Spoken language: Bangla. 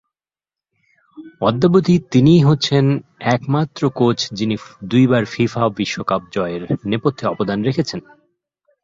অদ্যাবধি তিনিই হচ্ছেন একমাত্র কোচ যিনি দুইবার ফিফা বিশ্বকাপ জয়ের নেপথ্যে অবদান রেখেছেন।